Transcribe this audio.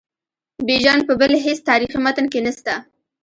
بیژن په بل هیڅ تاریخي متن کې نسته.